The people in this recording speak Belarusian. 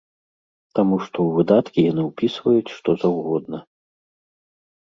Таму што ў выдаткі яны ўпісваюць што заўгодна.